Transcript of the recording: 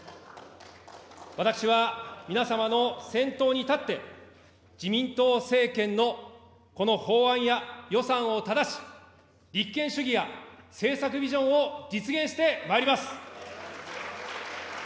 私は、皆様の先頭に立って、自民党政権のこの法案や予算を正し、立憲主義や政策ビジョンを実現してまいります。